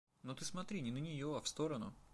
Но ты смотри не на нее, а в сторону.